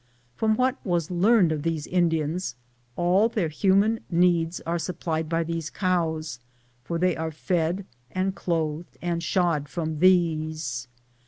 From what was learned of these Indians, all their human needs are supplied by these cows, for they are fed and clothed and shod from these.